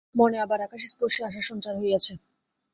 মনে আবার আকাশম্পর্শী আশার সঞ্চার হইয়াছে।